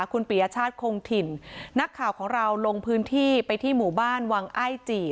คุณปียชาติคงถิ่นนักข่าวของเราลงพื้นที่ไปที่หมู่บ้านวังอ้ายจี่